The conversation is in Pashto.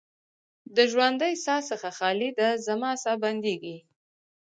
د ژوندۍ ساه څخه خالي ده، زما ساه بندیږې